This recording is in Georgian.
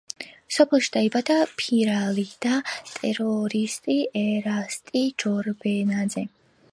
სოფელში დაიბადა ფირალი და ტერორისტი ერასტი ჯორბენაძე.